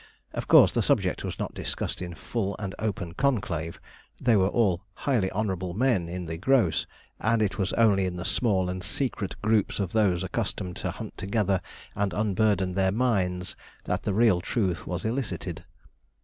Of course, the subject was not discussed in full and open conclave they were all highly honourable men in the gross and it was only in the small and secret groups of those accustomed to hunt together and unburden their minds, that the real truth was elicited.